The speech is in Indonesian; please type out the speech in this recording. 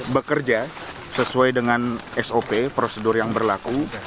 bekerja sesuai dengan sop prosedur yang berlaku